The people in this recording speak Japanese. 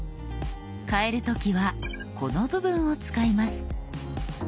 変える時はこの部分を使います。